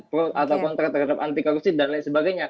pro atau kontra terhadap anti korupsi dan lain sebagainya